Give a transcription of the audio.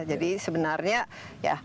jadi sebenarnya ya